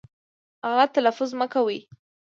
غلط تلفظ مه کوی